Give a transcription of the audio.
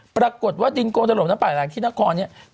ปรากฏว่าดินโคนสลมน้ำป่าไหลหลากที่นคร